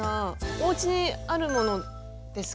おうちにあるものですかね。